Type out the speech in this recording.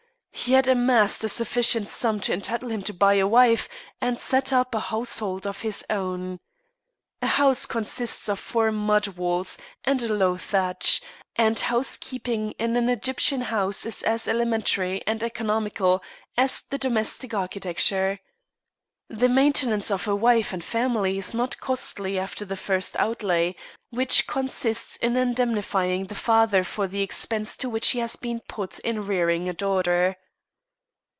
He had amassed a sufficient sum to entitle him to buy a wife and set up a household of his own. A house consists of four mud walls and a low thatch, and housekeeping in an Egyptian house is as elementary and economical as the domestic architecture. The maintenance of a wife and family is not costly after the first outlay, which consists in indemnifying the father for the expense to which he has been put in rearing a daughter.